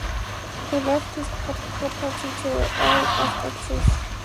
He left his property to the Earl of Essex.